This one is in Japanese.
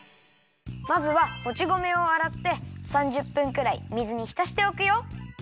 まずはもち米をあらって３０分くらい水にひたしておくよ。